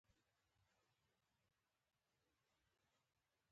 زه هره شپه کتابونه لولم او نوي شیان زده کوم